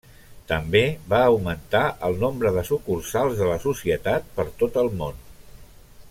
També va augmentar el nombre de sucursals de la Societat per tot el món.